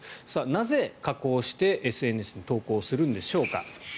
なぜ、加工してＳＮＳに投稿するんでしょうか。